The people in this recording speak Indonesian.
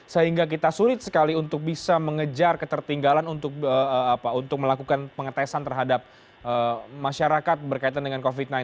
sehingga kita sulit sekali untuk bisa mengejar ketertinggalan untuk melakukan pengetesan terhadap masyarakat berkaitan dengan covid sembilan belas